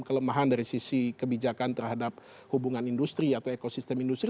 kelemahan dari sisi kebijakan terhadap hubungan industri atau ekosistem industri